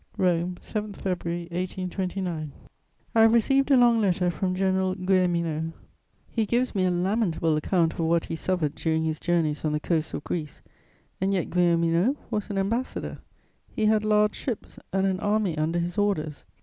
"ROME, 7 February 1829. "I have received a long letter from General Guilleminot; he gives me a lamentable account of what he suffered during his journeys on the coasts of Greece: and yet Guilleminot was an ambassador; he had large ships and an army under his orders.